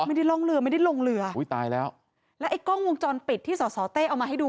ไม่ได้ร่องเรือไม่ได้ลงเรืออุ้ยตายแล้วแล้วไอ้กล้องวงจรปิดที่สอสอเต้เอามาให้ดู